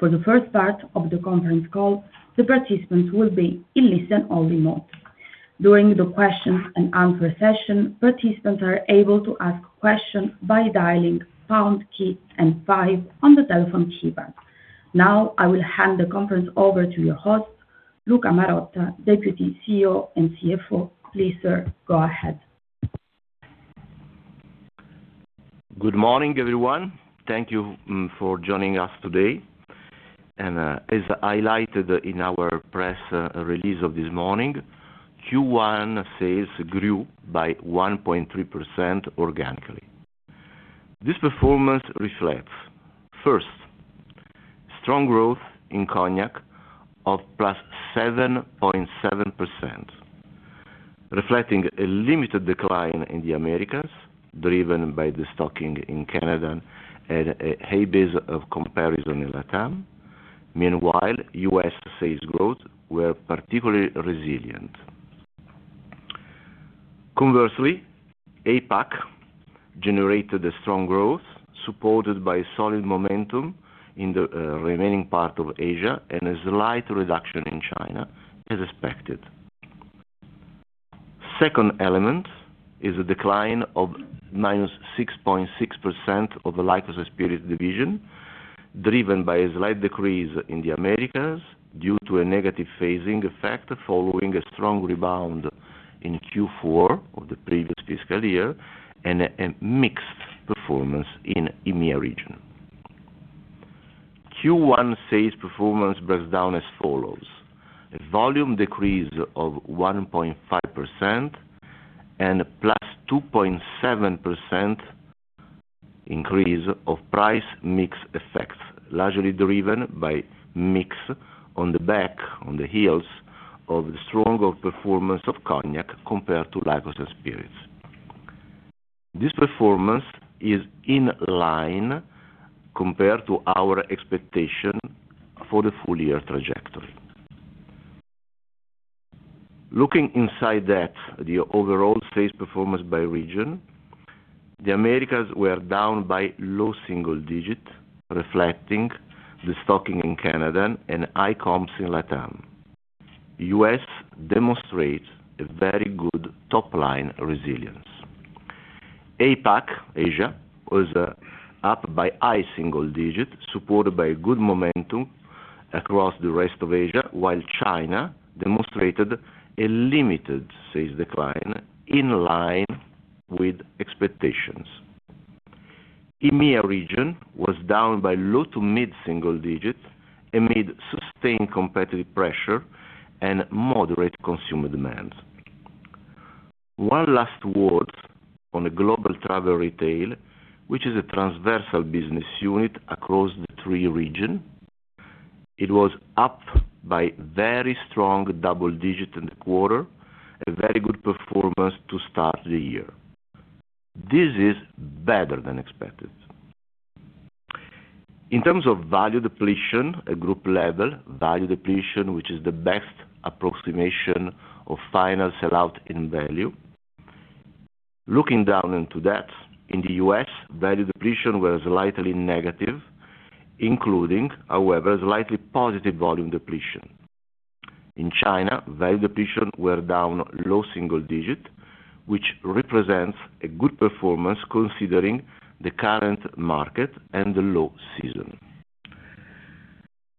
For the first part of the conference call, the participants will be in listen-only mode. During the questions and answer session, participants are able to ask questions by dialing pound key and five on the telephone keypad. Now, I will hand the conference over to your host, Luca Marotta, Deputy CEO and CFO. Please, sir, go ahead. Good morning, everyone. Thank you for joining us today. As highlighted in our press release of this morning, Q1 sales grew by 1.3% organically. This performance reflects, first, strong growth in cognac of +7.7%, reflecting a limited decline in the Americas, driven by the stocking in Canada and a heavy base of comparison in LATAM. Meanwhile, U.S. sales growth were particularly resilient. Conversely, APAC generated a strong growth supported by solid momentum in the remaining part of Asia and a slight reduction in China as expected. Second element is a decline of -6.6% of the Liqueurs & Spirits division, driven by a slight decrease in the Americas due to a negative phasing effect following a strong rebound in Q4 of the previous fiscal year and a mixed performance in EMEA region. Q1 sales performance breaks down as follows: a volume decrease of 1.5% and a +2.7% increase of price mix effects, largely driven by mix on the back, on the heels, of the stronger performance of cognac compared to Liqueurs & Spirits. This performance is in line compared to our expectation for the full year trajectory. Looking inside that, the overall sales performance by region, the Americas were down by low single digit, reflecting the stocking in Canada and high comps in LATAM. U.S. demonstrates a very good top-line resilience. APAC, Asia, was up by high single digit, supported by a good momentum across the rest of Asia, while China demonstrated a limited sales decline in line with expectations. EMEA region was down by low to mid single digits amid sustained competitive pressure and moderate consumer demand. One last word on the Global Travel Retail, which is a transversal business unit across the three region. It was up by very strong double digit in the quarter, a very good performance to start the year. This is better than expected. In terms of value depletion at group level, value depletion, which is the best approximation of final sell out in value. Looking down into that, in the U.S., value depletion were slightly negative, including, however, slightly positive volume depletion. In China, value depletion were down low single digit, which represents a good performance considering the current market and the low season.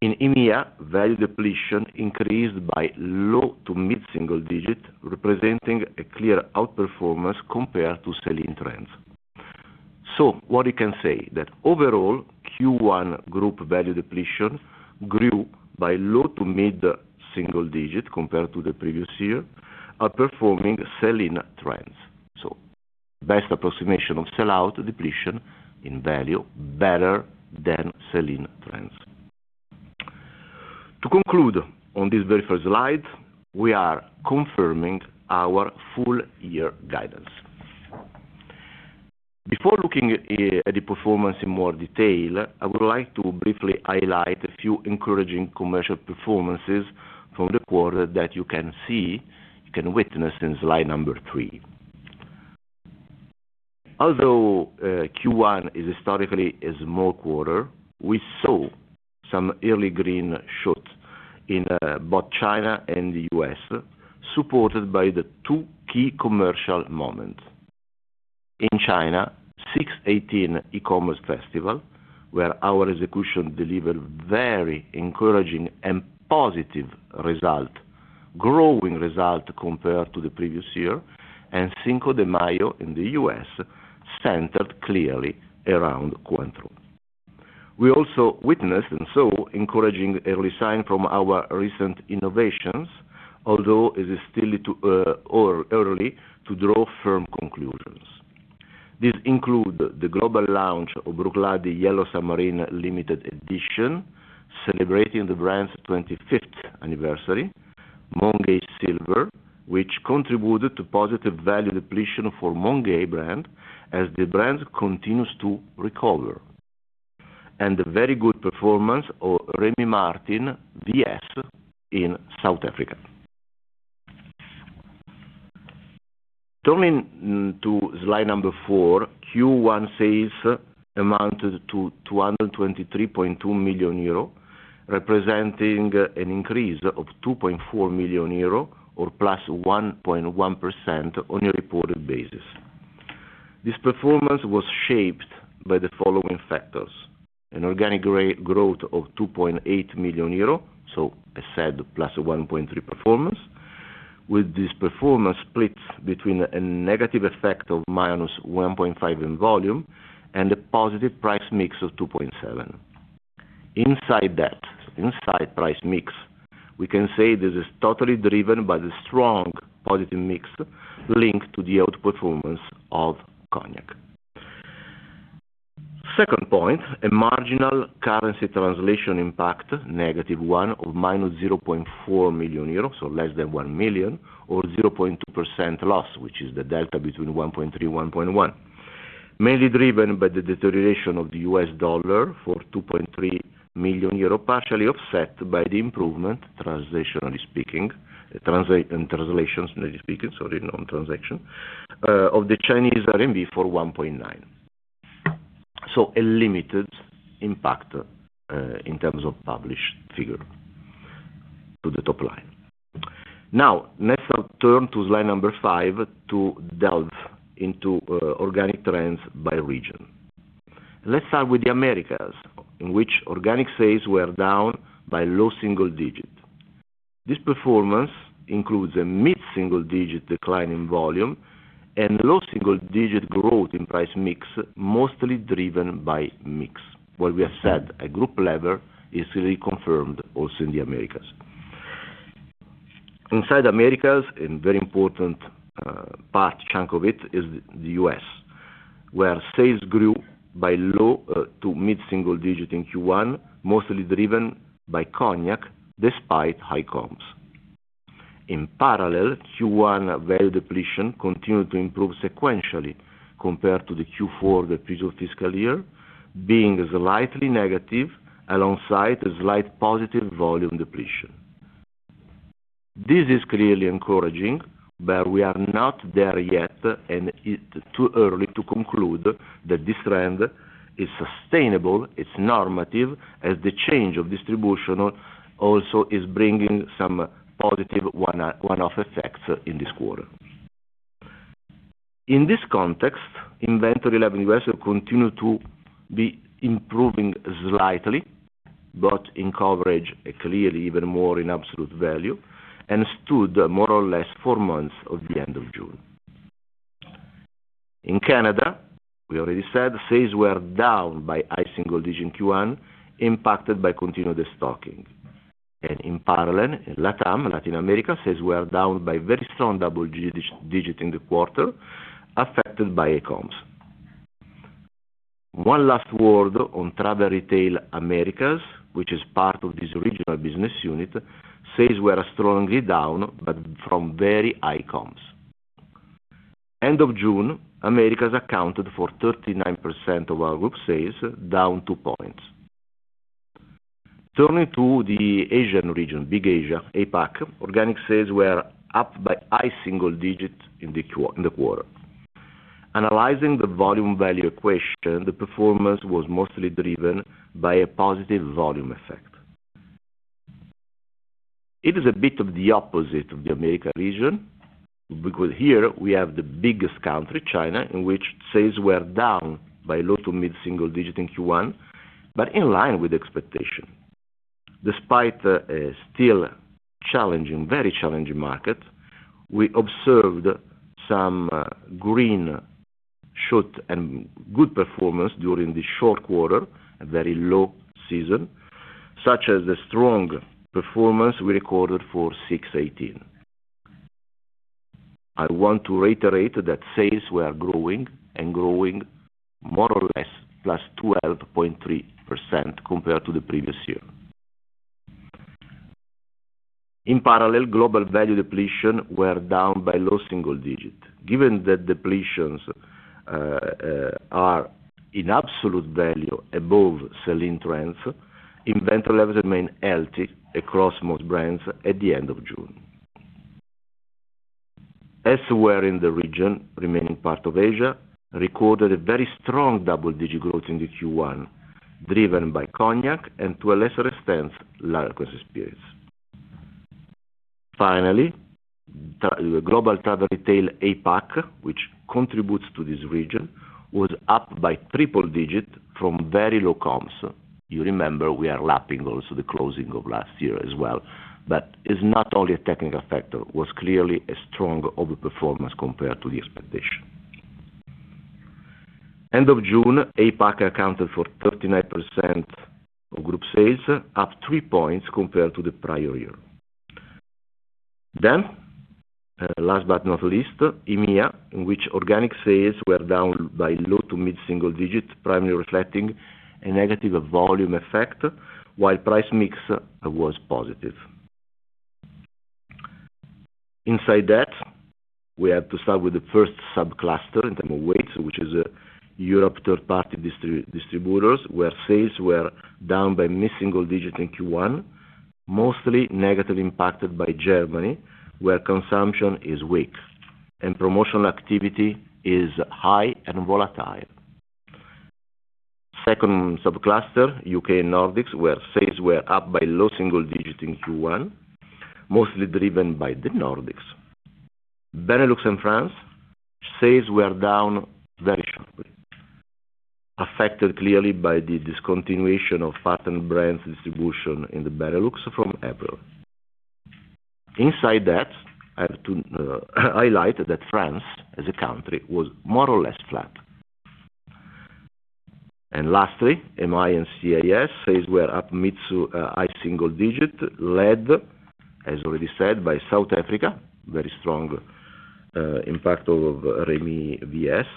In EMEA, value depletion increased by low to mid single digit, representing a clear outperformance compared to selling trends. What we can say that overall Q1 group value depletion grew by low to mid single digit compared to the previous year, outperforming selling trends. Best approximation of sell-out depletion in value, better than selling trends. To conclude on this very first slide, we are confirming our full year guidance. Before looking at the performance in more detail, I would like to briefly highlight a few encouraging commercial performances from the quarter that you can see, can witness in slide number three. Although Q1 is historically a small quarter, we saw some early green shoots in both China and the U.S., supported by the two key commercial moments. In China, 618 e-commerce festival, where our execution delivered very encouraging and positive result, growing result compared to the previous year, and Cinco de Mayo in the U.S., centered clearly around Cointreau. We also witnessed and saw encouraging early sign from our recent innovations, although it is still early to draw firm conclusions. These include the global launch of Bruichladdich Yellow Submarine Limited Edition, celebrating the brand's 25th anniversary. Mount Gay Silver, which contributed to positive value depletion for Mount Gay brand as the brand continues to recover. And the very good performance of Rémy Martin VS in South Africa. Turning to slide number four, Q1 sales amounted to 223.2 million euro, representing an increase of 2.4 million euro or +1.1% on a reported basis. This performance was shaped by the following factors: an organic growth of 2.8 million euro, I said +1.3% performance, with this performance split between a negative effect of -1.5% in volume and a positive price mix of 2.7%. Inside that, inside price mix, we can say this is totally driven by the strong positive mix linked to the outperformance of cognac. Second point, a marginal currency translation impact, -1 or -0.4 million euros, less than 1 million or 0.2% loss, which is the delta between 1.3% and 1.1%. Mainly driven by the deterioration of the U.S. dollar for 2.3 million euro, partially offset by the improvement, translationally speaking, sorry, non-transaction, of the Chinese RMB for EUR 1.9 million. A limited impact in terms of published figure to the top line. Now, let's turn to slide number five to delve into organic trends by region. Let's start with the Americas, in which organic sales were down by low single digits. This performance includes a mid-single-digit decline in volume and low single-digit growth in price mix, mostly driven by mix. What we have said at group level is really confirmed also in the Americas. Inside Americas, and very important part, chunk of it is the U.S., where sales grew by low to mid-single digit in Q1, mostly driven by cognac despite high comps. In parallel, Q1 value depletion continued to improve sequentially compared to the Q4 of the previous fiscal year, being slightly negative alongside a slight positive volume depletion. This is clearly encouraging, but we are not there yet and it's too early to conclude that this trend is sustainable, it's normative, as the change of distribution also is bringing some positive one-off effects in this quarter. In this context, inventory level in the U.S. have continued to be improving slightly, but in coverage, clearly even more in absolute value, and stood more or less four months of the end of June. In Canada, we already said, sales were down by high single digits in Q1, impacted by continued destocking. In parallel, in LATAM, Latin America, sales were down by very strong double digits in the quarter affected by e-coms. One last word on travel retail Americas, which is part of this regional business unit, sales were strongly down but from very high comps. End of June, Americas accounted for 39% of our group sales, down two points. Turning to the Asian region, big Asia, APAC, organic sales were up by high single digits in the quarter. Analyzing the volume value equation, the performance was mostly driven by a positive volume effect. It is a bit of the opposite of the American region, because here we have the biggest country, China, in which sales were down by low to mid single digits in Q1, but in line with expectation. Despite a still very challenging market, we observed some green shoot and good performance during this short quarter, a very low season, such as the strong performance we recorded for 618. I want to reiterate that sales were growing, and growing more or less +12.3% compared to the previous year. In parallel, global value depletion were down by low single digits. Given that depletions are in absolute value above selling trends, inventory levels remain healthy across most brands at the end of June. Elsewhere in the region, remaining part of Asia, recorded a very strong double-digit growth in the Q1, driven by cognac and to a lesser extent, large spirits. Finally, the Global Travel Retail APAC, which contributes to this region, was up by triple digits from very low comps. You remember, we are lapping also the closing of last year as well. It's not only a technical factor, was clearly a strong overperformance compared to the expectation. End of June, APAC accounted for 39% of group sales, up three points compared to the prior year. Last but not least, EMEA, in which organic sales were down by low to mid single digits, primarily reflecting a negative volume effect, while price mix was positive. Inside that, we have to start with the first sub-cluster in term of weights, which is Europe third party distributors, where sales were down by mid single digits in Q1. Mostly negatively impacted by Germany, where consumption is weak and promotional activity is high and volatile. Second sub-cluster, U.K. and Nordics, where sales were up by low single digits in Q1, mostly driven by the Nordics. Benelux and France, sales were down very sharply, affected clearly by the discontinuation of partner brands distribution in the Benelux from April. Inside that, I have to highlight that France as a country was more or less flat. Lastly, AMEI & CIS sales were up mid to high single digits, led, as already said, by South Africa, very strong impact of Rémy VS,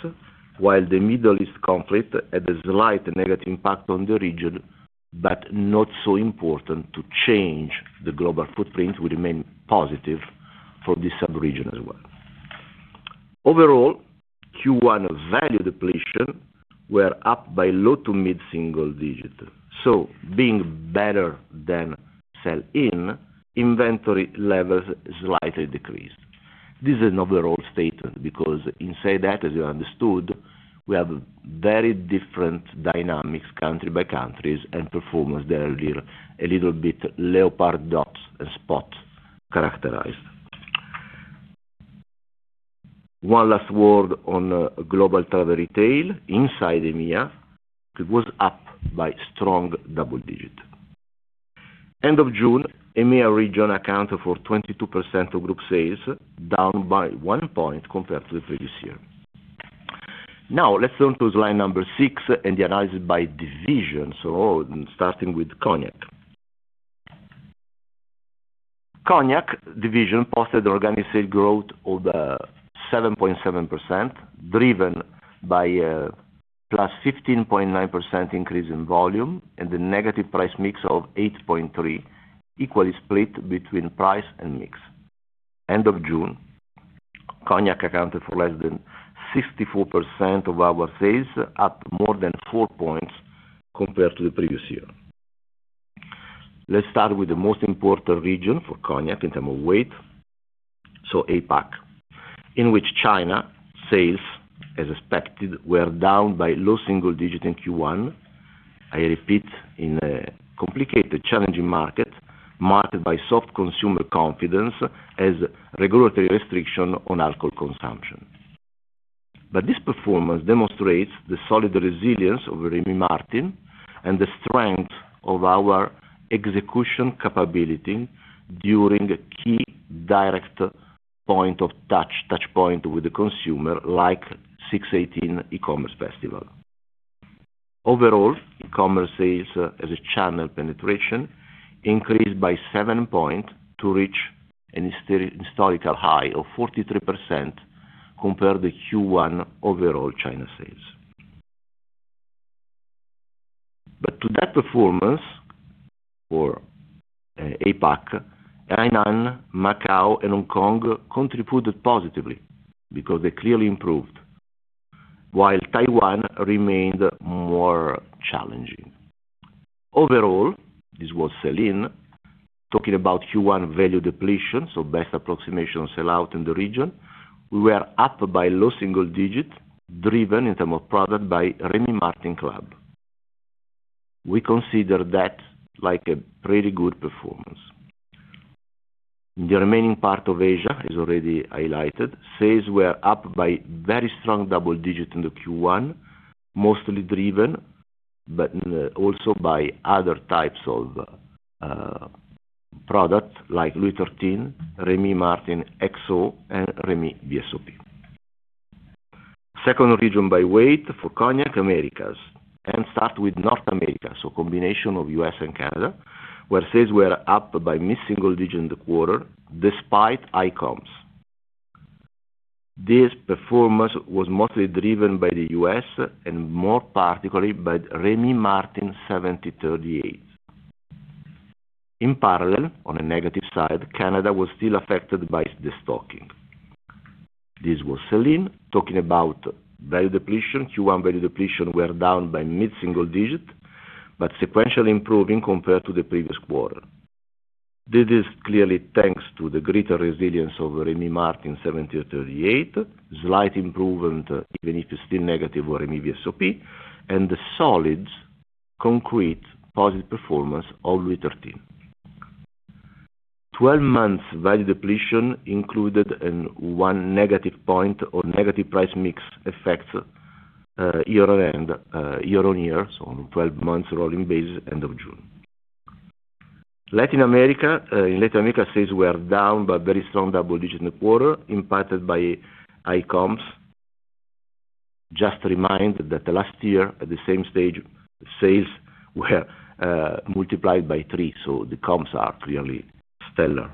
while the Middle East conflict had a slight negative impact on the region, but not so important to change the global footprint, we remain positive for this sub-region as well. Overall, Q1 value depletion were up by low to mid single digits. Being better than sell-in, inventory levels slightly decreased. This is an overall statement because inside that, as you understood, we have very different dynamics country by country and performance that are a little bit leopard dots and spots characterized. One last word on Global Travel Retail inside EMEA, it was up by strong double digits. end of June, EMEA region accounted for 22% of Group sales, down by one point compared to the previous year. Now let's turn to slide number six and analyze it by division, starting with cognac. Cognac division posted organic sales growth of 7.7%, driven by a +15.9% increase in volume and a negative price mix of 8.3%, equally split between price and mix. end of June, cognac accounted for less than 64% of our sales, up more than four points compared to the previous year. Let's start with the most important region for cognac in terms of weight, APAC, in which China sales, as expected, were down by low single digits in Q1. I repeat, in a complicated, challenging market, marked by soft consumer confidence as regulatory restriction on alcohol consumption. This performance demonstrates the solid resilience of Rémy Martin and the strength of our execution capability during a key direct point of touch with the consumer, like 618 e-commerce festival. Overall, e-commerce sales as a channel penetration increased by seven points to reach an historical high of 43% compared to Q1 overall China sales. To that performance for APAC, Hainan, Macau, and Hong Kong contributed positively because they clearly improved, while Taiwan remained more challenging. Overall, this was sell-in, talking about Q1 value depletion, so best approximation of sell-out in the region, we were up by low single digits, driven in terms of product by Rémy Martin CLUB. We consider that like a pretty good performance. In the remaining part of Asia, as already highlighted, sales were up by very strong double digits in the Q1, mostly driven, but also by other types of products like Louis XIII, Rémy Martin XO, and Rémy Martin VSOP. Second region by weight for cognac, Americas. Start with North America, so combination of U.S. and Canada, where sales were up by mid-single digits in the quarter, despite high comps. This performance was mostly driven by the U.S. and more particularly by Rémy Martin 1738 Accord Royal. In parallel, on a negative side, Canada was still affected by the stocking. This was sell-in, talking about value depletion. Q1 value depletion were down by mid-single digits, but sequentially improving compared to the previous quarter. This is clearly thanks to the greater resilience of Rémy Martin 1738 Accord Royal, slight improvement, even if it's still negative on Rémy Martin VSOP, and the solid, concrete, positive performance of Louis XIII. 12 months value depletion included in one negative point or negative price mix effects year on year, so on 12 months rolling basis end of June. Latin America. In Latin America, sales were down by very strong double digits in the quarter, impacted by high comps. Just remind that the last year at the same stage, sales were multiplied by three, so the comps are clearly stellar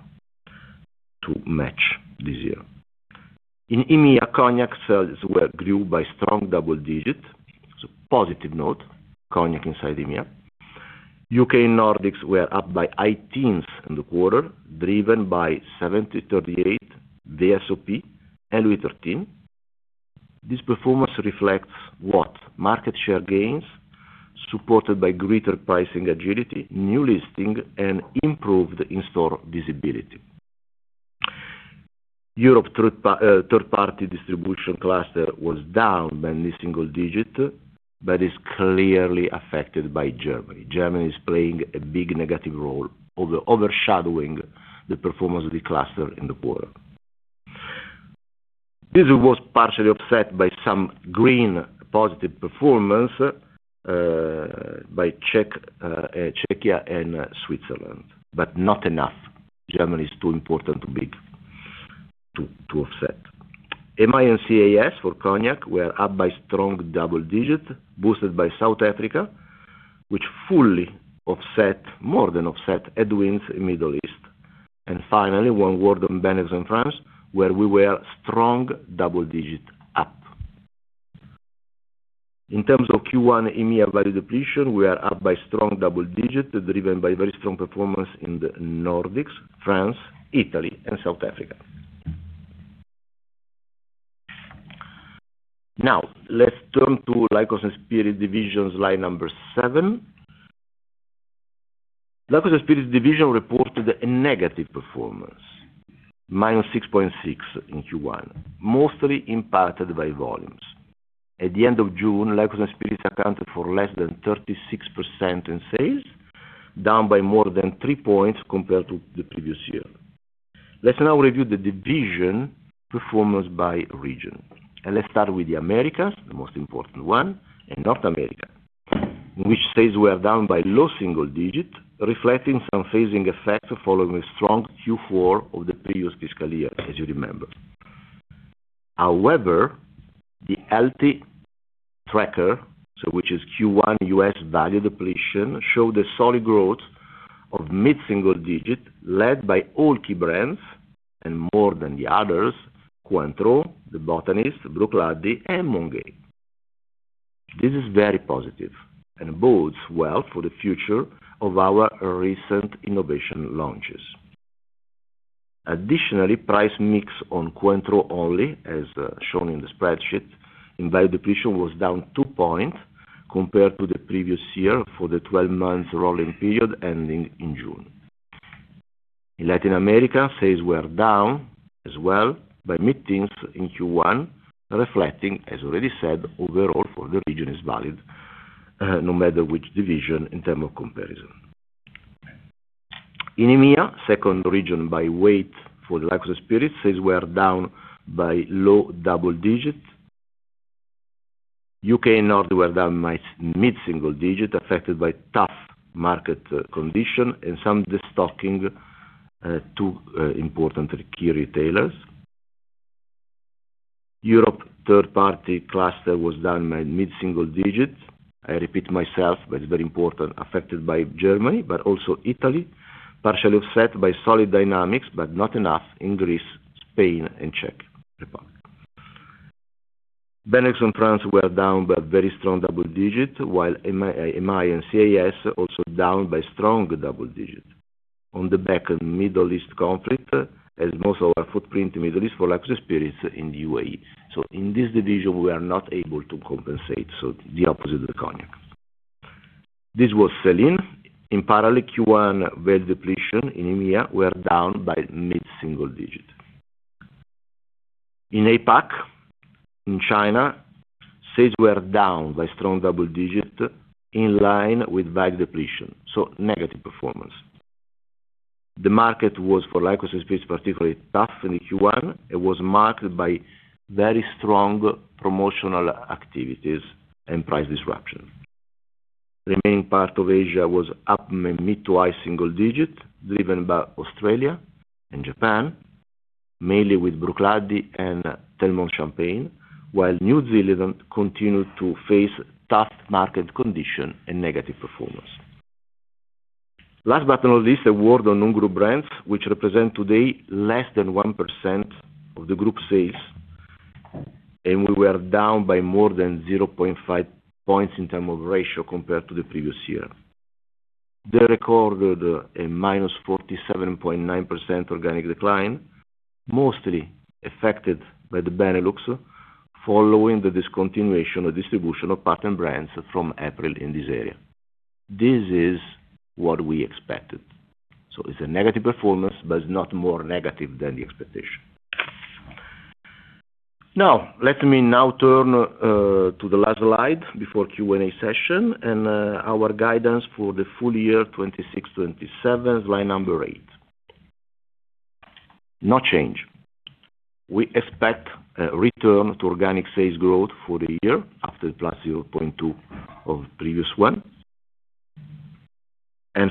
to match this year. In EMEA, cognac sales grew by strong double digits. Positive note, cognac inside EMEA. U.K. and Nordics were up by high teens in the quarter, driven by 1738 Accord Royal, Rémy Martin VSOP, and Louis XIII. This performance reflects what? Market share gains supported by greater pricing agility, new listing, and improved in-store visibility. Europe third-party distribution cluster was down by mid-single-digit. That is clearly affected by Germany. Germany is playing a big negative role, overshadowing the performance of the cluster in the world. This was partially offset by some green positive performance by Czechia and Switzerland, but not enough. Germany is too important, too big to offset. AMEI & CIS for cognac were up by strong double-digit, boosted by South Africa, which more than offset headwinds in Middle East. Finally, one word on Benelux and France, where we were strong double-digit up. In terms of Q1 EMEA value depletion, we are up by strong double-digit, driven by very strong performance in the Nordics, France, Italy, and South Africa. Let's turn to Liqueurs & Spirits divisions, slide number seven. Liqueurs & Spirits division reported a negative performance, -6.6% in Q1, mostly impacted by volumes. At the end of June, Liqueurs & Spirits accounted for less than 36% in sales, down by more than three points compared to the previous year. Let's now review the division performance by region. Let's start with the Americas, the most important one, and North America. In which states we are down by low single-digit, reflecting some phasing effect following a strong Q4 of the previous fiscal year, as you remember. However, the healthy tracker, which is Q1 U.S. value depletion, showed a solid growth of mid-single-digit led by all key brands and more than the others, Cointreau, The Botanist, Bruichladdich, and Mount Gay. This is very positive and bodes well for the future of our recent innovation launches. Additionally, price mix on Cointreau only, as shown in the spreadsheet, in value depletion was down two points compared to the previous year for the 12 months rolling period ending in June. In Latin America, sales were down as well by mid-teens in Q1, reflecting, as already said, overall for the region is valid, no matter which division in terms of comparison. In EMEA, second region by weight for Liqueurs & Spirits, sales were down by low double-digit. U.K. and Nordics were down by mid-single-digit, affected by tough market condition and some destocking two important key retailers. Europe third-party cluster was down by mid-single-digits. I repeat myself, but it's very important, affected by Germany, but also Italy, partially offset by solid dynamics, but not enough in Greece, Spain, and Czech Republic. Benelux and France were down by very strong double-digit, while AMEI & CIS also down by strong double-digit. On the back of Middle East conflict, as most of our footprint in Middle East for Liqueurs & Spirits in the U.A.E. In this division, we are not able to compensate, so the opposite of cognac. This was selling. In parallel, Q1 value depletion in EMEA were down by mid-single-digit. In APAC, in China, sales were down by strong double-digit in line with value depletion, so negative performance. The market was for Liqueurs & Spirits, particularly tough in Q1. It was marked by very strong promotional activities and price disruption. The main part of Asia was up mid to high single-digit, driven by Australia and Japan, mainly with Bruichladdich and Telmont Champagne, while New Zealand continued to face tough market condition and negative performance. Last but not least, a word on non-group brands, which represent today less than 1% of the group sales, and we were down by more than 0.5 points in terms of ratio compared to the previous year. They recorded a -47.9% organic decline, mostly affected by the Benelux, following the discontinuation of distribution of partner brands from April in this area. This is what we expected. It's a negative performance, but it's not more negative than the expectation. Let me now turn to the last slide before Q&A session and our guidance for the full year 2026/27, slide number eight. No change. We expect a return to organic sales growth for the year after the +0.2 of previous one.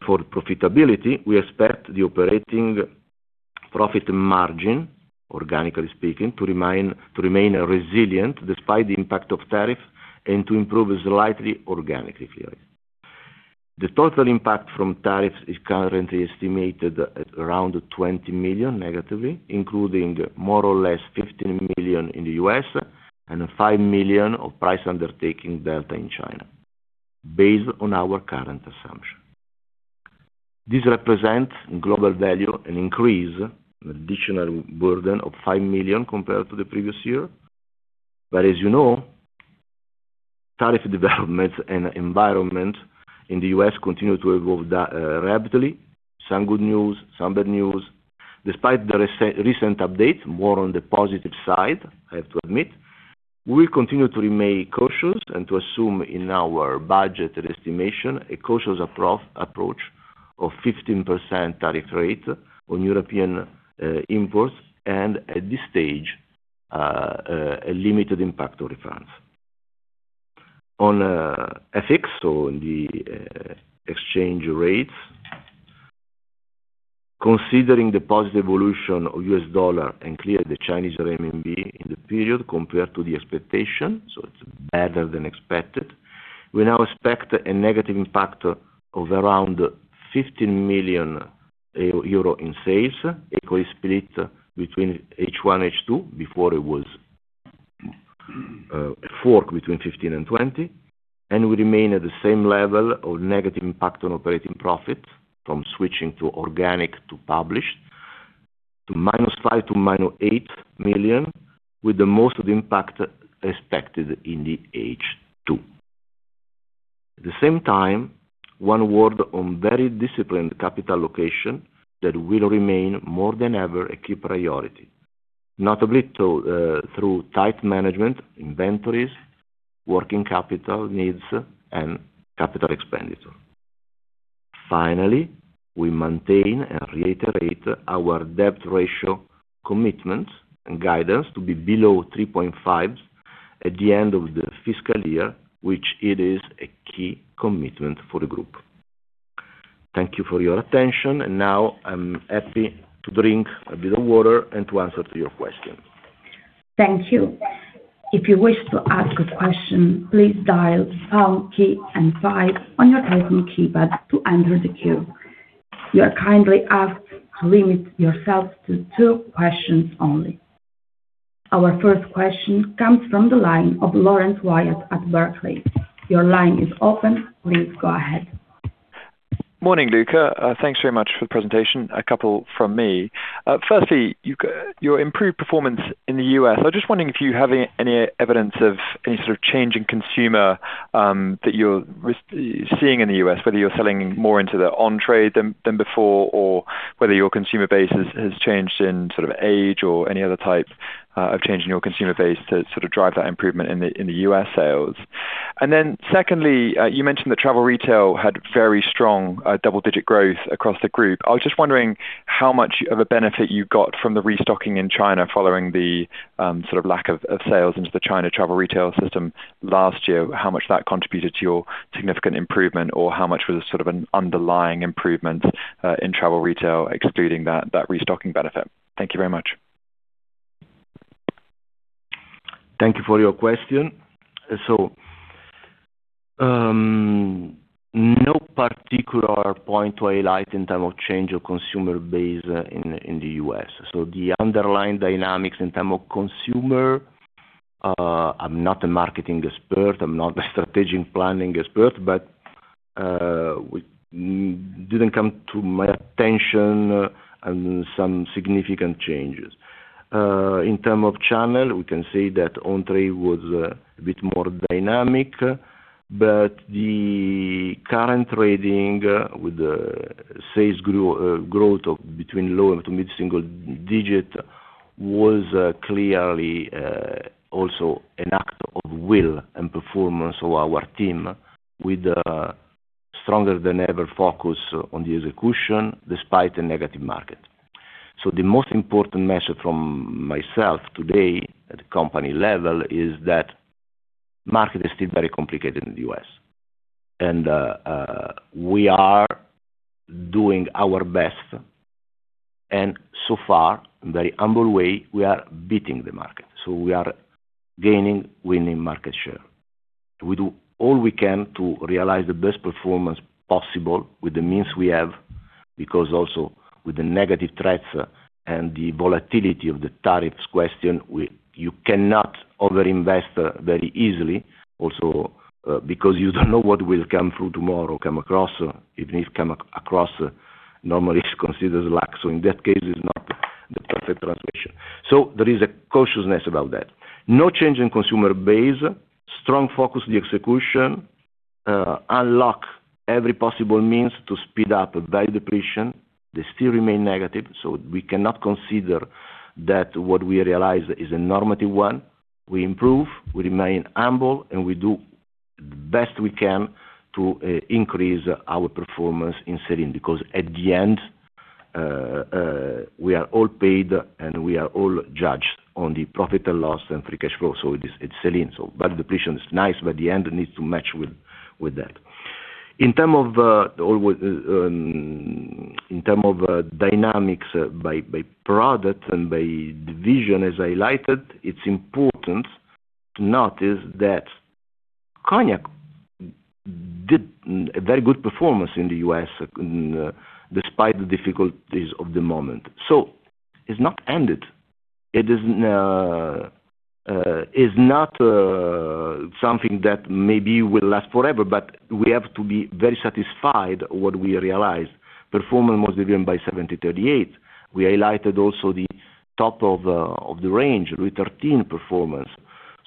For profitability, we expect the operating profit margin, organically speaking, to remain resilient despite the impact of tariff, and to improve slightly organically. The total impact from tariff is currently estimated at around 20 million negatively, including more or less 15 million in the U.S. and 5 million of price undertaking delta in China based on our current assumption. This represents global value, an increase, an additional burden of 5 million compared to the previous year. As you know, tariff developments and environment in the U.S. continue to evolve rapidly. Some good news, some bad news. Despite the recent update, more on the positive side, I have to admit, we continue to remain cautious and to assume in our budget estimation, a cautious approach of 15% tariff rate on European imports, and at this stage, a limited impact on refunds. On FX, on the exchange rates, considering the positive evolution of U.S. dollar and clearly the Chinese RMB in the period compared to the expectation, it's better than expected, we now expect a negative impact of around 15 million euro in sales, equally split between H1, H2, before it was a fork between 15 and 20, and we remain at the same level of negative impact on operating profit from switching to organic to published, to -EUR 5 million to -8 million, with the most of the impact expected in the H2. At the same time, one word on very disciplined capital allocation that will remain more than ever a key priority, notably through tight management inventories, working capital needs, and capital expenditure. Finally, we maintain and reiterate our debt ratio commitment and guidance to be below 3.5x at the end of the fiscal year, which it is a key commitment for the group. Thank you for your attention. Now I'm happy to drink a bit of water and to answer to your questions. Thank you. If you wish to ask a question, please dial star key and five on your telephone keypad to enter the queue. You are kindly asked to limit yourself to two questions only. Our first question comes from the line of Laurence Whyatt at Barclays. Your line is open. Please go ahead. Morning, Luca. Thanks very much for the presentation. A couple from me. Firstly, your improved performance in the U.S. I was just wondering if you have any evidence of any sort of change in consumer that you're seeing in the U.S., whether you're selling more into the on-trade than before, or whether your consumer base has changed in sort of age or any other type of change in your consumer base to sort of drive that improvement in the U.S. sales. Secondly, you mentioned that travel retail had very strong double-digit growth across the group. I was just wondering how much of a benefit you got from the restocking in China following the sort of lack of sales into the China travel retail system last year. How much that contributed to your significant improvement, or how much was a sort of an underlying improvement in travel retail excluding that restocking benefit. Thank you very much. Thank you for your question. No particular point to highlight in terms of change of consumer base in the U.S. The underlying dynamics in terms of consumer, I'm not a marketing expert, I'm not a strategic planning expert, but didn't come to my attention some significant changes. In terms of channel, we can say that on-trade was a bit more dynamic, but the current trading with the sales growth of between low to mid-single digit was clearly also an act of will and performance of our team with a stronger than ever focus on the execution despite the negative market. The most important message from myself today at company level is that market is still very complicated in the U.S., and we are doing our best, and so far, in very humble way, we are beating the market. We are gaining, winning market share. We do all we can to realize the best performance possible with the means we have, because also with the negative threats and the volatility of the tariffs question, you cannot overinvest very easily, also because you don't know what will come through tomorrow, come across, even if come across, normally it's considered luck. In that case, it's not the perfect translation. There is a cautiousness about that. No change in consumer base, strong focus on the execution, unlock every possible means to speed up value depletion. They still remain negative, we cannot consider that what we realize is a normative one. We improve, we remain humble, and we do best we can to increase our performance in selling, because at the end, we are all paid and we are all judged on the profit and loss and free cash flow. It's selling. Value depletion is nice, but at the end, it needs to match with that. In term of dynamics by product and by division as highlighted, it's important to notice that cognac did a very good performance in the U.S. despite the difficulties of the moment. It's not ended. It is not something that maybe will last forever, but we have to be very satisfied what we realized. Performance was driven by 70/30 aid. We highlighted also the top of the range with Louis XIII performance.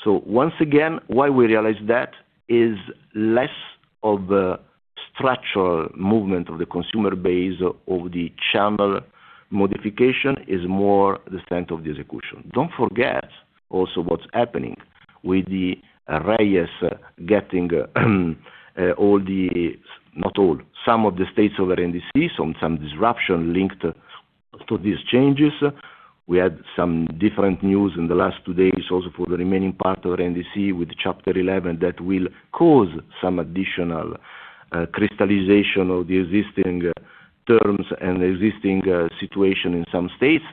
Once again, why we realized that is less of a structural movement of the consumer base, of the channel modification, is more the strength of the execution. Don't forget also what's happening with Reyes getting all the, not all, some of the states over in D.C., some disruption linked to these changes. We had some different news in the last two days, also for the remaining part of RNDC with Chapter 11, that will cause some additional crystallization of the existing terms and existing situation in some states.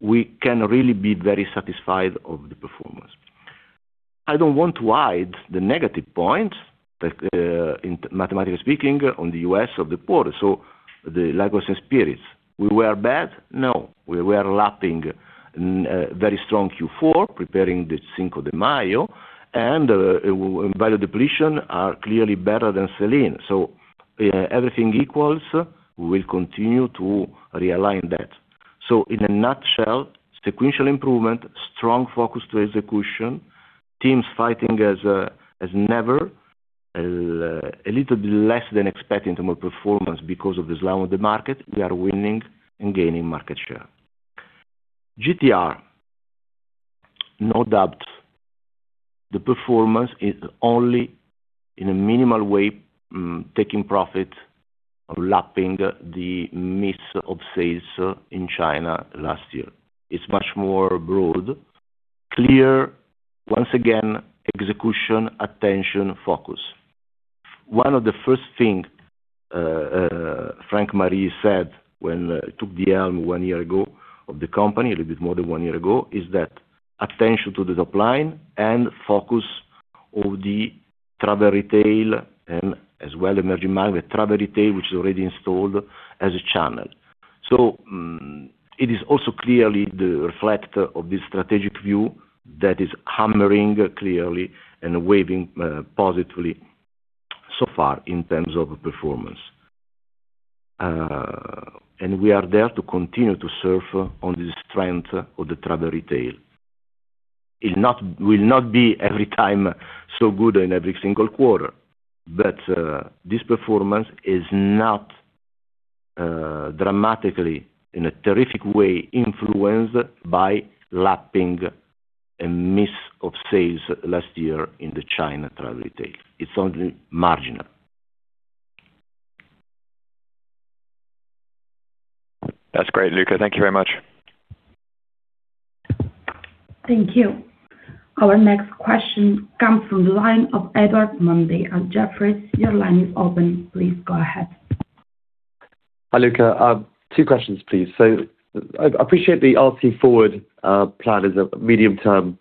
We can really be very satisfied of the performance. I don't want to hide the negative point, mathematically speaking, on the U.S. of the poor. The Liqueurs & Spirits. We were bad? No. We were lapping very strong Q4, preparing the Cinco de Mayo, and value depletion are clearly better than sell-in. Everything equals, we will continue to realign that. In a nutshell, sequential improvement, strong focus to execution, teams fighting as never, a little bit less than expecting more performance because of the slow of the market. We are winning and gaining market share. GTR, no doubt, the performance is only in a minimal way, taking profit or lapping the mix of sales in China last year. It's much more broad. Clear, once again, execution, attention, focus. One of the first thing Franck Marilly said when he took the helm one year ago of the company, a little bit more than one year ago, is that attention to the top line and focus of the travel retail and as well emerging market travel retail, which is already installed as a channel. It is also clearly the reflect of this strategic view that is hammering clearly and waving positively so far in terms of performance. And we are there to continue to surf on the strength of the travel retail. It will not be every time so good in every single quarter. This performance is not dramatically, in a terrific way, influenced by lapping a mix of sales last year in the China travel retail. It's only marginal. That's great, Luca. Thank you very much. Thank you. Our next question comes from the line of Edward Mundy at Jefferies. Your line is open. Please go ahead. Hi, Luca. Two questions, please. I appreciate the RC Forward plan as a medium-term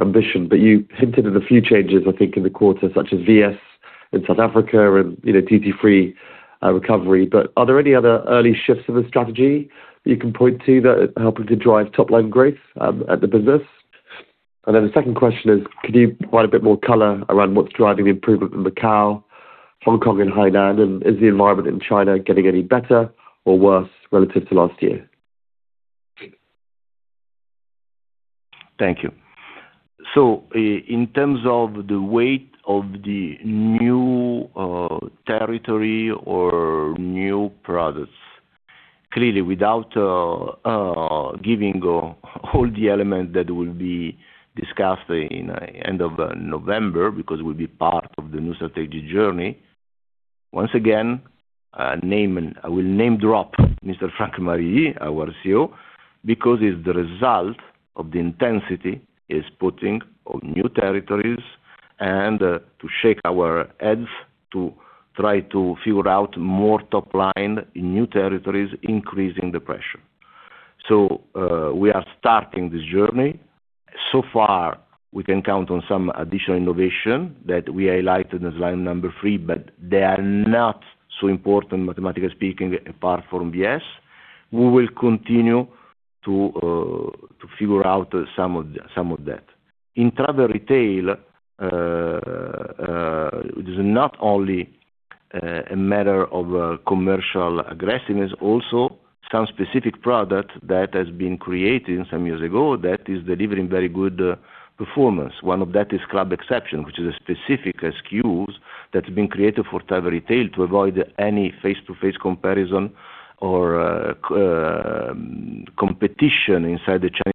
ambition. You hinted at a few changes, I think, in the quarter, such as VS in South Africa and duty-free recovery. Are there any other early shifts of the strategy that you can point to that are helping to drive top-line growth at the business? The second question is, could you provide a bit more color around what's driving the improvement in Macau, Hong Kong, and Hainan? Is the environment in China getting any better or worse relative to last year? Thank you. In terms of the weight of the new territory or new products, clearly, without giving all the elements that will be discussed in end of November, because we will be part of the new strategy journey. Once again, I will name drop Mr. Franck Marilly, our CEO, because it is the result of the intensity he is putting on new territories and to shake our heads to try to figure out more top line in new territories, increasing the pressure. We are starting this journey. Far, we can count on some additional innovation that we highlighted in slide number three, but they are not so important, mathematically speaking, apart from VS. We will continue to figure out some of that. In travel retail, it is not only a matter of commercial aggressiveness. Some specific product that has been created some years ago that is delivering very good performance. One of that is Rémy Martin CLUB Exception, which is a specific SKUs that has been created for travel retail to avoid any face-to-face comparison or competition inside the Chinese-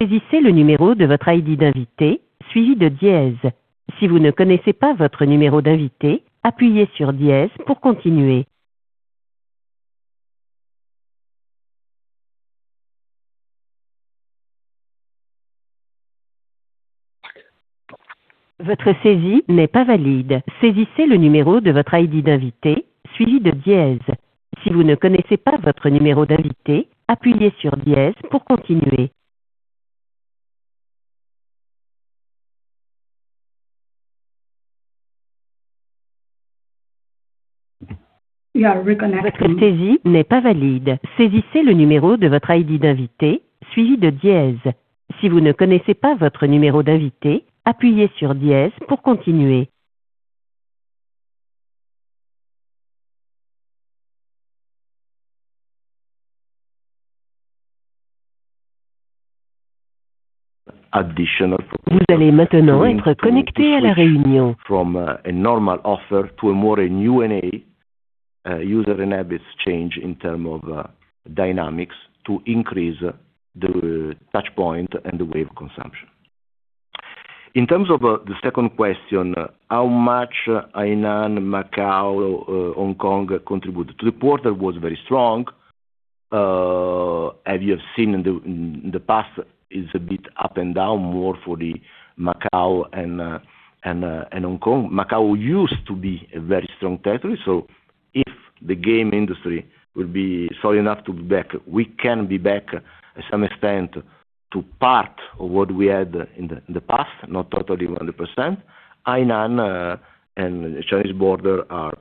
You are reconnecting. Additional From a normal offer to a more new user and habits change in term of dynamics to increase the touch point and the wave consumption. In terms of the second question, how much Hainan, Macau, Hong Kong contributed to the quarter was very strong. As you have seen in the past, is a bit up and down more for the Macau and Hong Kong. Macau used to be a very strong territory. If the game industry will be solid enough to be back, we can be back at some extent to part of what we had in the past, not totally 100%. Hainan and Chinese border are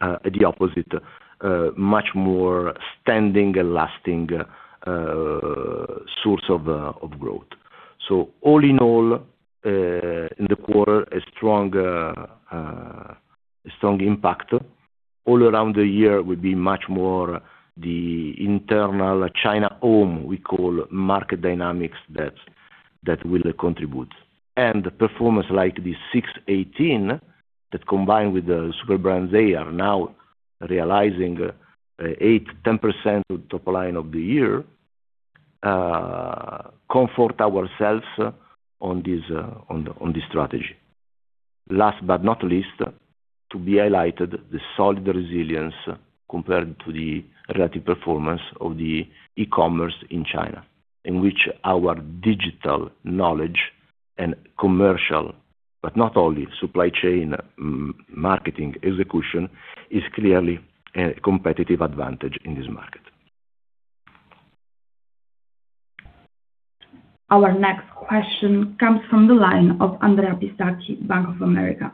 at the opposite much more standing and lasting source of growth. All in all, in the quarter, a strong impact. All around the year will be much more the internal China home, we call market dynamics that will contribute. Performance like the 618 that combined with the Super Brand Day are now realizing 8%, 10% of top line of the year, comfort ourselves on this strategy. Last but not least, to be highlighted, the solid resilience compared to the relative performance of the e-commerce in China, in which our digital knowledge and commercial, but not only supply chain marketing execution is clearly a competitive advantage in this market. Our next question comes from the line of Andrea Pistacchi, Bank of America.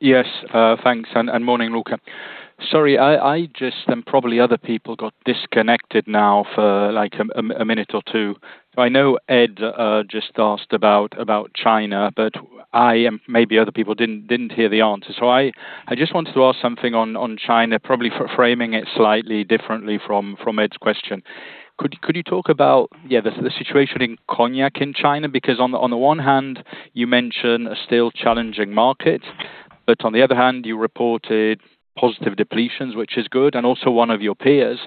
Yes, thanks and morning, Luca. Sorry, I just probably other people got disconnected now for a minute or two. I know Ed just asked about China, but maybe other people didn't hear the answer. I just wanted to ask something on China, probably framing it slightly differently from Ed's question. Could you talk about the situation in cognac in China? Because on the one hand, you mentioned a still challenging market, but on the other hand, you reported positive depletions, which is good. Also one of your peers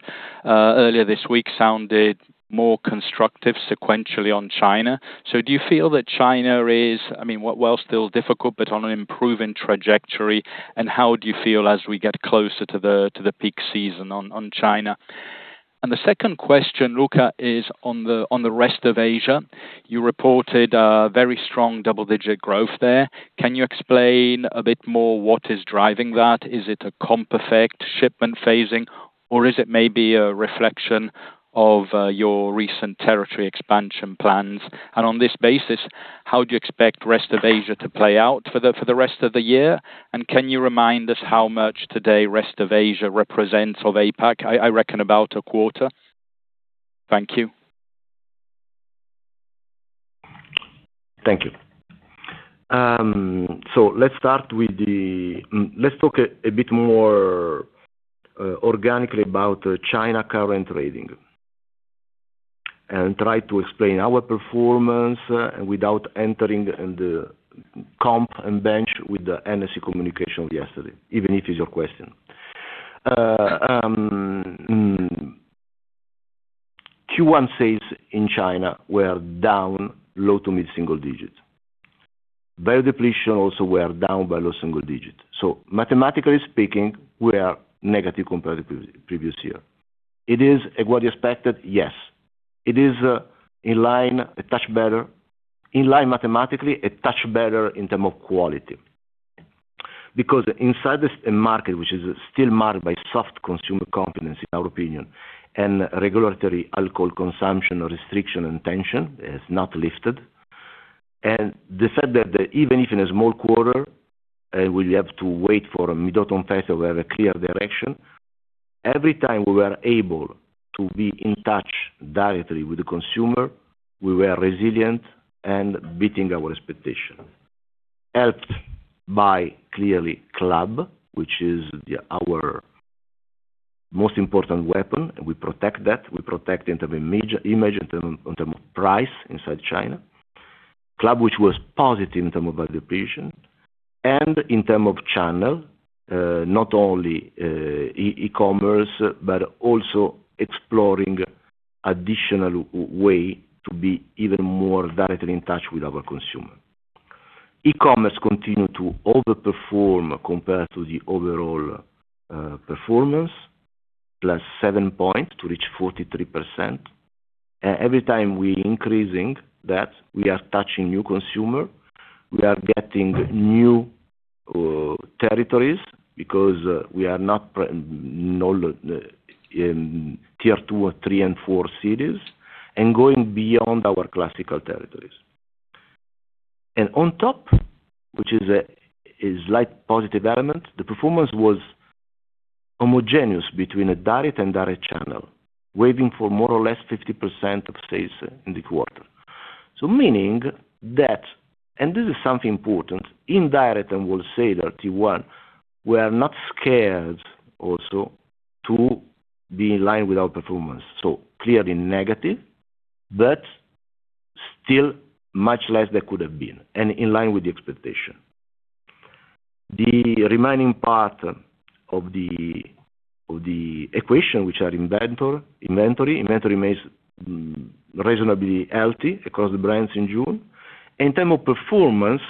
earlier this week sounded more constructive sequentially on China. Do you feel that China is, while still difficult, but on an improving trajectory? How do you feel as we get closer to the peak season on China? The second question, Luca, is on the rest of Asia. You reported a very strong double-digit growth there. Can you explain a bit more what is driving that? Is it a comp effect, shipment phasing, or is it maybe a reflection of your recent territory expansion plans? On this basis, how do you expect rest of Asia to play out for the rest of the year? Can you remind us how much today rest of Asia represents of APAC? I reckon about a quarter. Thank you. Thank you. Let's talk a bit more organically about China current trading and try to explain our performance without entering in the comp and bench with the Hennessy communication of yesterday, even if it's your question. Q1 sales in China were down low to mid single digits. Beer depletion also were down by low single digits. Mathematically speaking, we are negative compared to previous year. Is it what we expected? Yes. It is in line, a touch better, in line mathematically, a touch better in terms of quality. Inside this market, which is still marred by soft consumer confidence in our opinion, regulatory alcohol consumption restriction and tension is not lifted. The fact that even if in a small quarter, we have to wait for Mid-Autumn Festival to have a clear direction. Every time we were able to be in touch directly with the consumer, we were resilient and beating our expectation. Helped by clearly CLUB, which is our most important weapon, and we protect that. We protect in terms of image, in terms of price inside China. CLUB, which was positive in terms of value depreciation. In terms of channel, not only e-commerce, but also exploring additional way to be even more directly in touch with our consumer. E-commerce continues to over-perform compared to the overall performance, +7 points to reach 43%. Every time we are increasing that, we are touching new consumer, we are getting new territories, because we are now in Tier 2 or Tier 3 and Tier 4 cities, and going beyond our classical territories. On top, which is a slight positive element, the performance was homogeneous between direct and indirect channel. Weighing for more or less 50% of sales in the quarter. Meaning that, and this is something important, indirect, and we'll say that Tier 1, we are not scared also to be in line with our performance. Clearly negative, but still much less than could have been, and in line with the expectation. The remaining part of the equation, which is inventory. Inventory remains reasonably healthy across the brands in June. In terms of performance,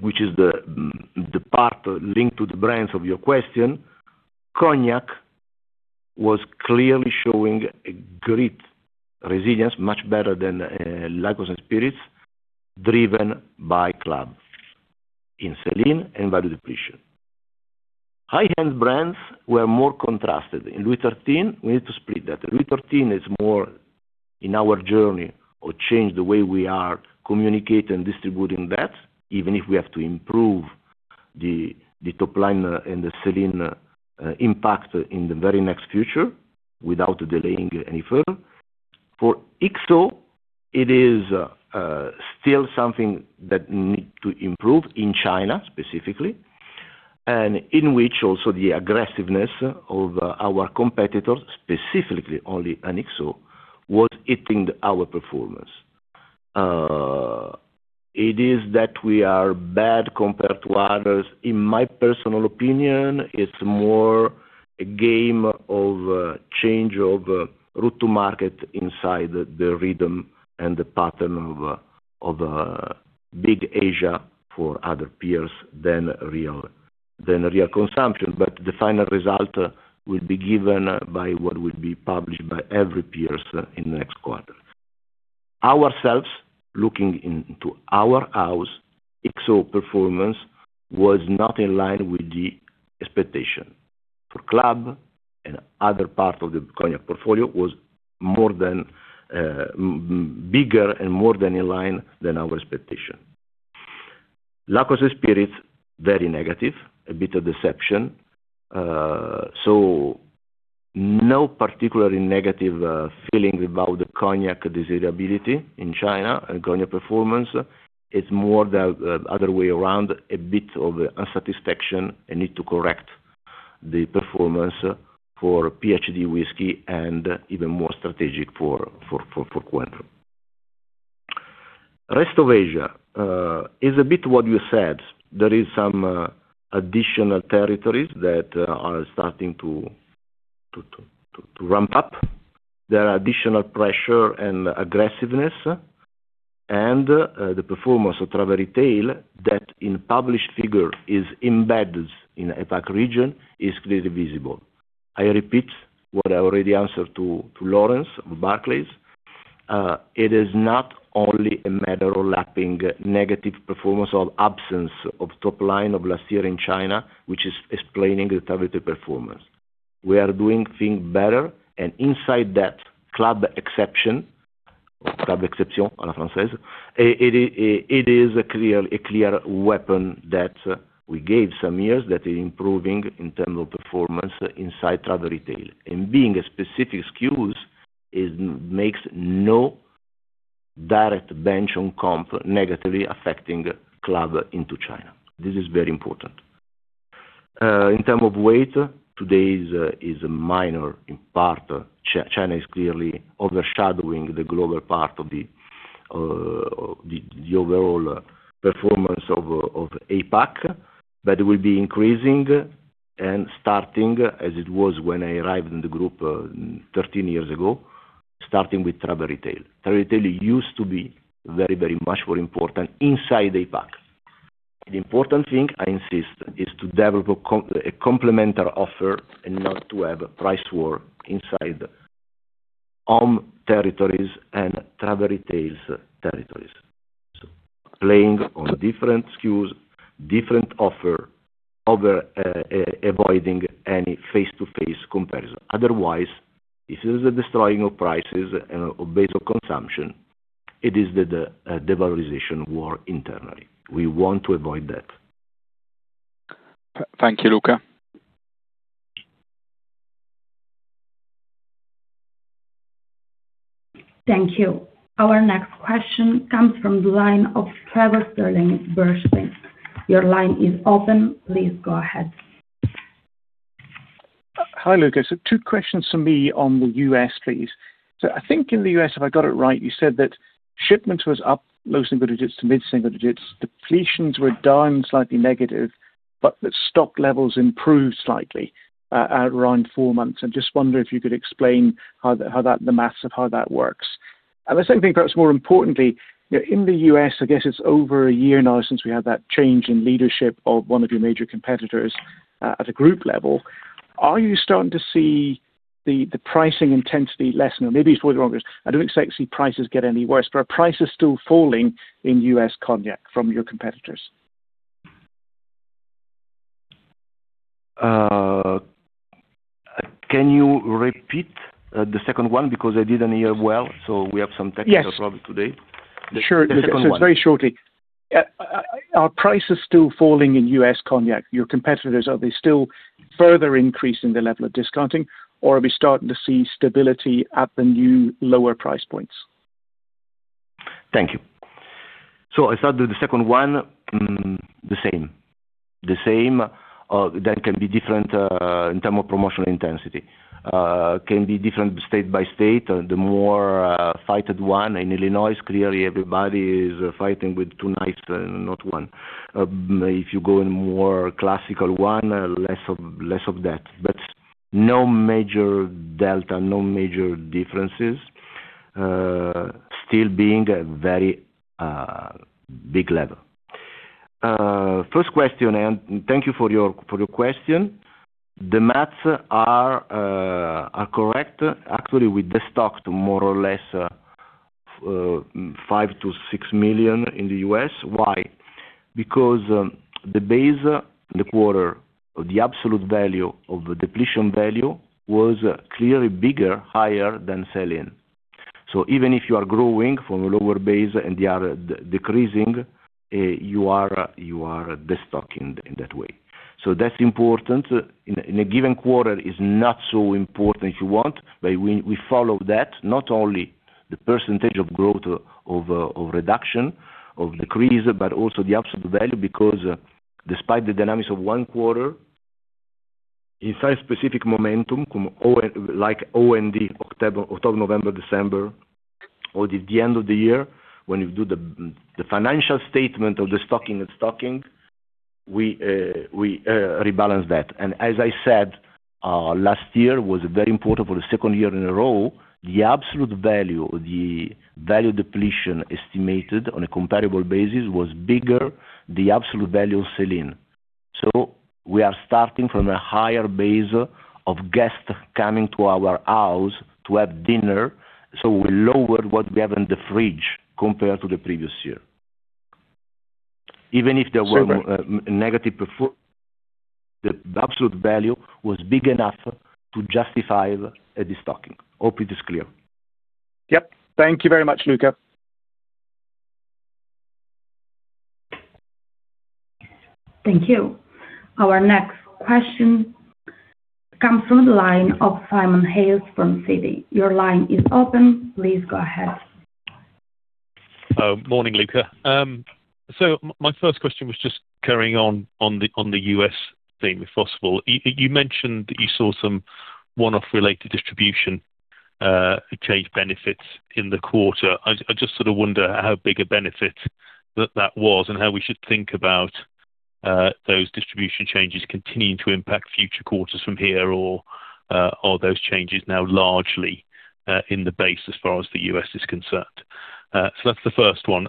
which is the part linked to the brands of your question, cognac was clearly showing a great resilience, much better than Liqueurs & Spirits, driven by CLUB in sell-in and value depreciation. High-end brands were more contrasted. In Louis XIII, we need to split that. Louis XIII is more in our journey or change the way we are communicating and distributing that, even if we have to improve the top line and the sell-in impact in the very next future without delaying any further. For XO, it is still something that needs to improve in China, specifically, and in which also the aggressiveness of our competitors, specifically on the XO, was hitting our performance. Is it that we are bad compared to others? In my personal opinion, it's more a game of change of route to market inside the rhythm and the pattern of big Asia for other peers than real consumption. The final result will be given by what will be published by every peer in the next quarter. Ourselves, looking into our house, XO performance was not in line with the expectation. For CLUB and other parts of the cognac portfolio was bigger and more than in line than our expectation. Liqueurs & Spirits, very negative, a bit of deception. No particularly negative feeling about the cognac desirability in China and cognac performance. It's more the other way around, a bit of unsatisfaction, a need to correct the performance for peated whiskey and even more strategic for Cointreau. Rest of Asia, is a bit what you said. There is some additional territories that are starting to ramp up. There are additional pressure and aggressiveness. The performance of Travel Retail that in published figure is embedded in APAC region is clearly visible. I repeat what I already answered to Laurence of Barclays. It is not only a matter of lapping negative performance or absence of top line of last year in China, which is explaining the Travel Retail performance. We are doing things better, and inside that CLUB Exception, or CLUB Exception à la française, it is a clear weapon that we gave some years that is improving in terms of performance inside Travel Retail. Being a specific SKUs, it makes no direct bench on comp negatively affecting CLUB into China. This is very important. In terms of weight, today is a minor in part. China is clearly overshadowing the global part of the overall performance of APAC, it will be increasing and starting as it was when I arrived in the group 13 years ago, starting with Travel Retail. Travel Retail used to be very much more important inside APAC. The important thing, I insist, is to develop a complementary offer and not to have a price war inside home territories and Travel Retail territories. Playing on different SKUs, different offer, avoiding any face-to-face comparison. Otherwise, this is a destroying of prices and base of consumption. It is the devaluation war internally. We want to avoid that. Thank you, Luca. Thank you. Our next question comes from the line of Trevor Stirling, Bernstein. Your line is open. Please go ahead. Hi, Luca. Two questions from me on the U.S., please. I think in the U.S., if I got it right, you said that shipments was up low single digits to mid-single digits. Depletions were down slightly negative, but the stock levels improved slightly at around four months. I'm just wondering if you could explain the math of how that works. The second thing, perhaps more importantly, in the U.S., I guess it's over a year now since we had that change in leadership of one of your major competitors at a group level. Are you starting to see the pricing intensity lessen? Maybe it's for the wrong reason. I don't expect to see prices get any worse, but are prices still falling in U.S. cognac from your competitors? Can you repeat the second one? Because I didn't hear well. We have some technical problem today. Yes. The second one. Sure. It's very shortly. Are prices still falling in U.S. cognac? Your competitors, are they still further increasing their level of discounting, or are we starting to see stability at the new, lower price points? Thank you. I start with the second one, the same. The same, that can be different in terms of promotional intensity. Can be different state by state, the more fought one in Illinois, clearly everybody is fighting with two knives and not one. If you go in more classical one, less of that. No major delta, no major differences, still being a very big level. First question, I thank you for your question. The math are correct. Actually, we destocked more or less 5 million-6 million in the U.S. Why? Because the base, the quarter, the absolute value of the depletion value was clearly bigger, higher than selling. Even if you are growing from a lower base and they are decreasing, you are destocking in that way. That's important. In a given quarter is not so important if you want, but we follow that, not only the percentage of growth of reduction, of decrease, but also the absolute value, because despite the dynamics of one quarter, inside specific momentum like OND, October, November, December, or the end of the year when you do the financial statement of the stocking, we rebalance that. As I said, last year was very important for the second year in a row. The absolute value of the value depletion estimated on a comparable basis was bigger, the absolute value of selling. We are starting from a higher base of guests coming to our house to have dinner, we lower what we have in the fridge compared to the previous year. Even if there were- Sorry The absolute value was big enough to justify a destocking. Hope it is clear. Yep. Thank you very much, Luca. Thank you. Our next question comes from the line of Simon Hales from Citi. Your line is open. Please go ahead. Morning, Luca. My first question was just carrying on the U.S. theme, if possible. You mentioned that you saw some one-off related distribution change benefits in the quarter. I just wonder how big a benefit that that was and how we should think about those distribution changes continuing to impact future quarters from here, or are those changes now largely in the base as far as the U.S. is concerned? That's the first one.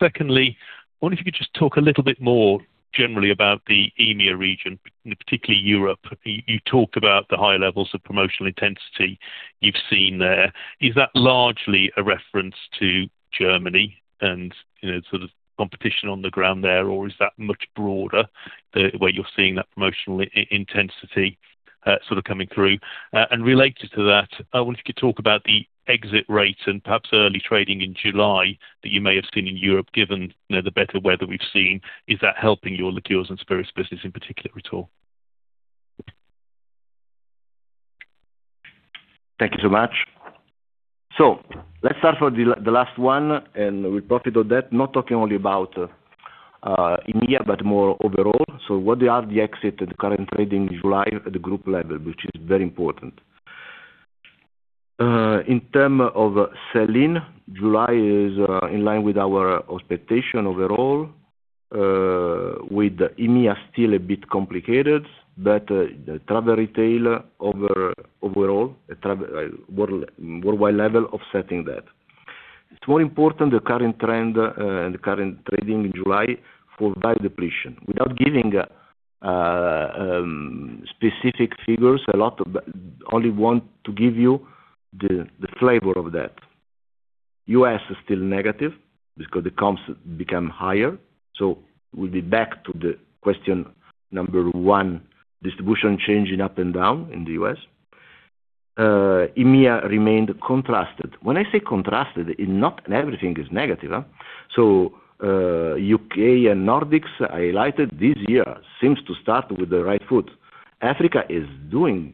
Secondly, I wonder if you could just talk a little bit more generally about the EMEA region, particularly Europe. You talk about the high levels of promotional intensity you've seen there. Is that largely a reference to Germany and competition on the ground there, or is that much broader where you're seeing that promotional intensity coming through? Related to that, I wonder if you could talk about the exit rate and perhaps early trading in July that you may have seen in Europe, given the better weather we've seen. Is that helping your Liqueurs & Spirits business in particular at all? Thank you so much. Let's start for the last one, we profit on that, not talking only about EMEA, but more overall. What they are the exit and the current trading July at the group level, which is very important. In terms of sell-in, July is in line with our expectation overall, with EMEA still a bit complicated, but the travel retail overall, worldwide level offsetting that. It's more important the current trend and the current trading in July for value depletion. Without giving specific figures a lot, only want to give you the flavor of that. U.S. is still negative because the comps become higher. We'll be back to the question number one, distribution changing up and down in the U.S. EMEA remained contrasted. When I say contrasted, not everything is negative. U.K. and Nordics, I highlighted this year seems to start with the right foot Africa is doing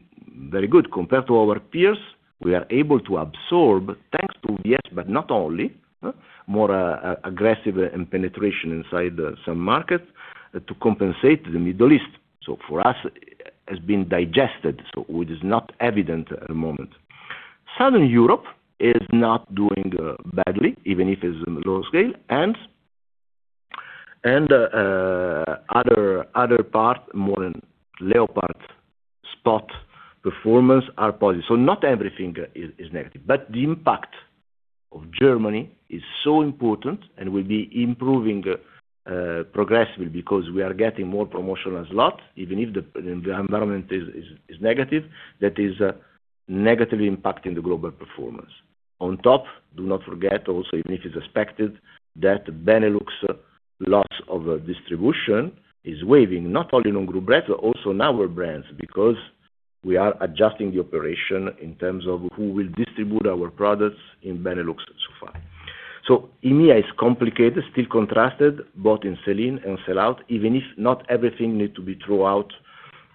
very good compared to our peers. We are able to absorb, thanks to the U.S., but not only, more aggressive in penetration inside some market to compensate the Middle East. For us, it has been digested, it is not evident at the moment. Southern Europe is not doing badly, even if it is in low scale, and other part, more than leopard spot performance are positive. Not everything is negative. The impact of Germany is so important and will be improving progressively because we are getting more promotional slot, even if the environment is negative, that is negatively impacting the global performance. On top, do not forget also, even if it's expected, that Benelux loss of distribution is waiving, not only on Group Brands, also on our brands, because we are adjusting the operation in terms of who will distribute our products in Benelux so far. EMEA is complicated, still contrasted, both in sell-in and sell-out, even if not everything need to be throw out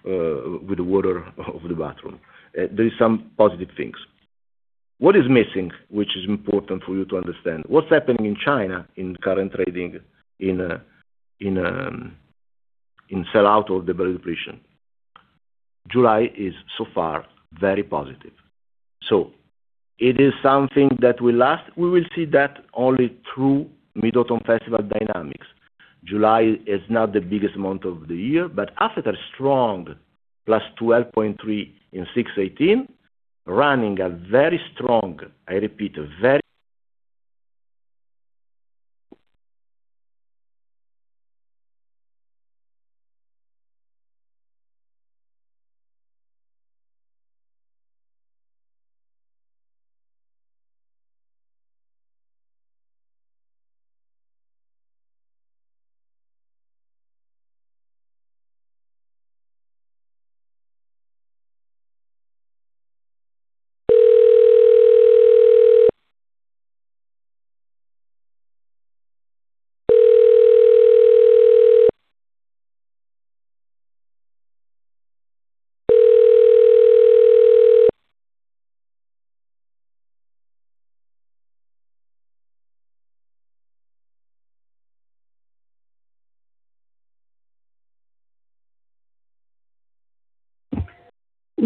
with the water of the bathroom. There is some positive things. What is missing, which is important for you to understand? What's happening in China in current trading, in sell-out of the value depletion? July is so far very positive. It is something that will last. We will see that only through Mid-Autumn Festival dynamics. July is not the biggest month of the year, but after strong, +12.3% in 618, running a very strong, I repeat, a very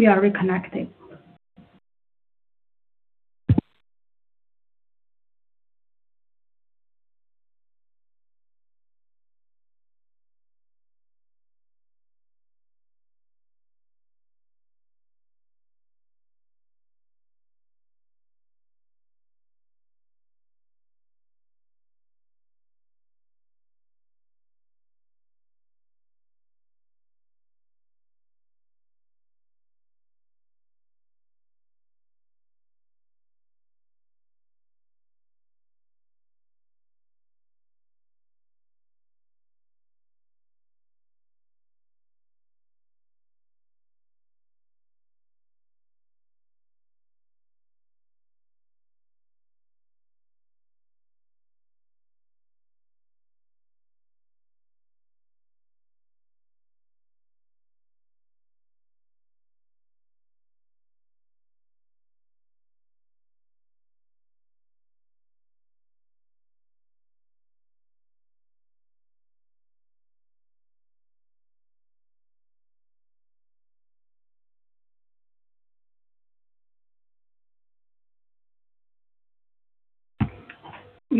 We are reconnecting.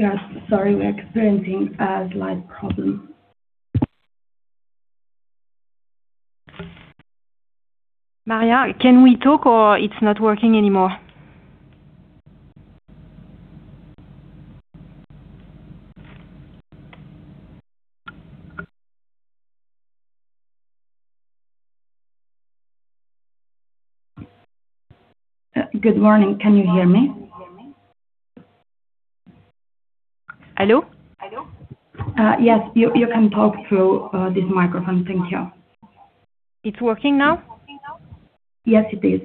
We are sorry, we are experiencing a live problem. Maria, can we talk or it's not working anymore? Good morning. Can you hear me? Hello? Yes, you can talk through this microphone. Thank you. It's working now? Yes, it is.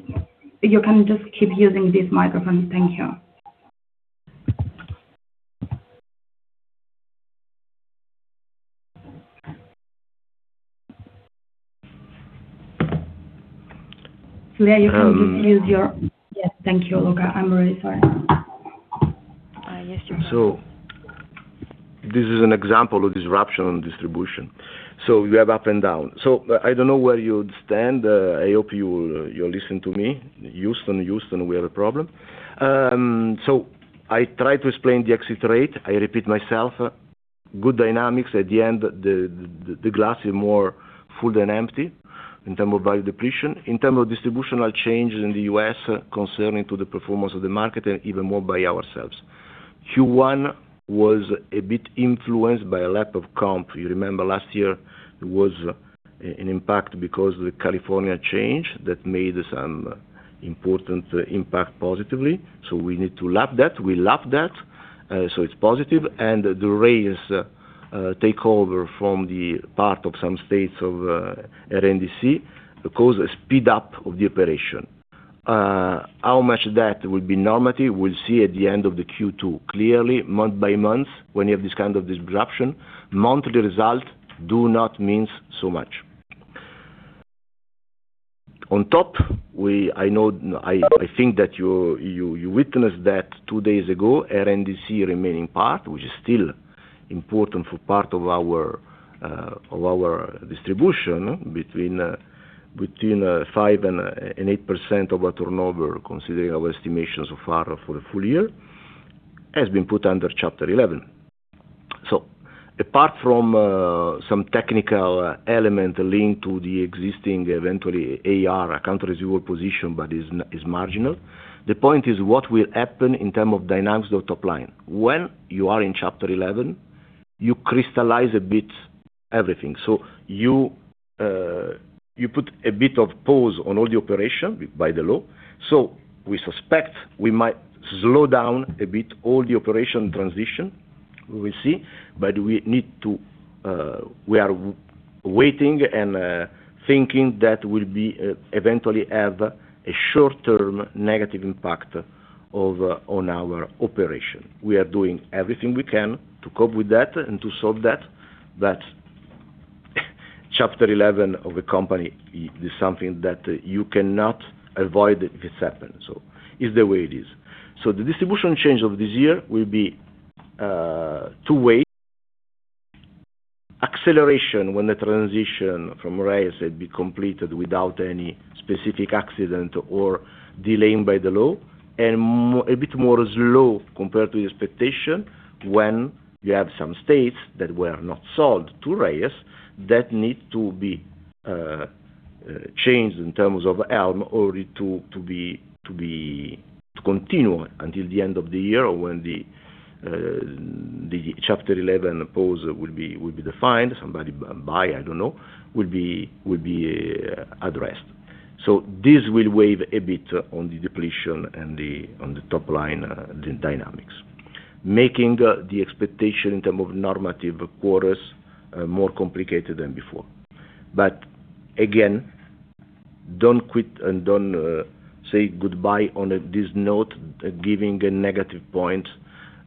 You can just keep using this microphone. Thank you. Yeah, you can just use Yes, thank you, Luca. I'm really sorry. This is an example of disruption on distribution. We have up and down. I don't know where you stand. I hope you listen to me. Houston, we have a problem. I try to explain the exit rate. I repeat myself, good dynamics at the end, the glass is more full than empty in terms of value depletion. In terms of distributional change in the U.S. concerning to the performance of the market and even more by ourselves. Q1 was a bit influenced by a lap of comp. You remember last year, there was an impact because of the California change that made some important impact positively. We need to lap that. We lapped that, so it's positive, and the Reyes takeover from the part of some states of RNDC caused a speed up of the operation. How much of that will be normative, we'll see at the end of the Q2. Clearly, month by month, when you have this kind of disruption, monthly results do not mean so much. On top, I think that you witnessed that two days ago, RNDC remaining part, which is still important for part of our distribution between 5% and 8% of our turnover, considering our estimations so far for the full year, has been put under Chapter 11. Apart from some technical element linked to the existing, eventually, AR, accounts receivable position, but is marginal. The point is what will happen in terms of dynamics of top line. When you are in Chapter 11, you crystallize a bit everything. You put a bit of pause on all the operation by the law. We suspect we might slow down a bit all the operation transition. We will see. We are waiting and thinking that will eventually have a short term negative impact on our operation. We are doing everything we can to cope with that and to solve that. Chapter 11 of a company is something that you cannot avoid if it happens. It's the way it is. The distribution change of this year will be two ways. Acceleration when the transition from Reyes had been completed without any specific accident or delaying by the law, and a bit more slow compared to expectation when you have some states that were not sold to Reyes, that need to be changed in terms of Elm to continue until the end of the year, or when the Chapter 11 pause will be defined, somebody buy, will be addressed. This will weigh a bit on the depletion and on the top line dynamics, making the expectation in term of normative quarters more complicated than before. Again, don't quit and don't say goodbye on this note, giving a negative point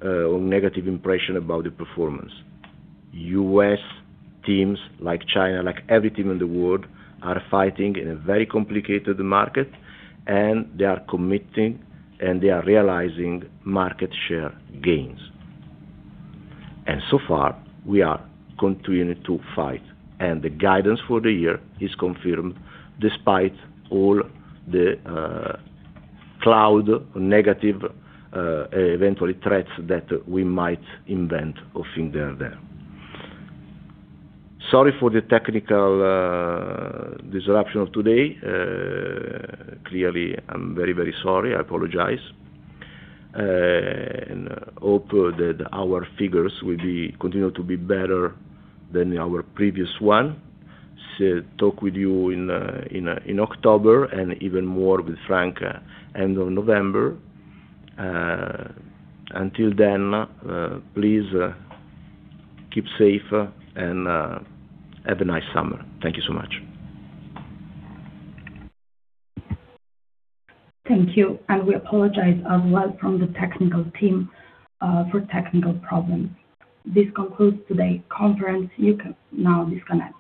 or negative impression about the performance. U.S. teams, like China, like every team in the world, are fighting in a very complicated market, and they are committing, and they are realizing market share gains. So far, we are continuing to fight, and the guidance for the year is confirmed despite all the cloud negative, eventually threats that we might invent or think they are there. Sorry for the technical disruption of today. Clearly, I am very sorry. I apologize. Hope that our figures will continue to be better than our previous one. Talk with you in October, and even more with Franck end of November. Until then, please keep safe and have a nice summer. Thank you so much. Thank you. We apologize as well from the technical team, for technical problems. This concludes today conference. You can now disconnect.